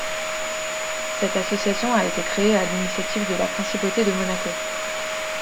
Cette association a été créée à l’initiative de la Principauté de Monaco.